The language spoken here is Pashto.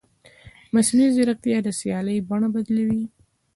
مصنوعي ځیرکتیا د سیالۍ بڼه بدلوي.